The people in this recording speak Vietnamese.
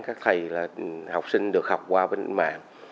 các thầy là học sinh được học qua bên mạng